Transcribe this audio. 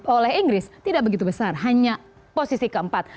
oleh inggris tidak begitu besar hanya posisi keempat